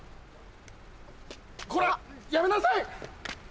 こらやめなさい！